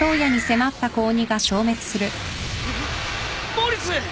モーリス！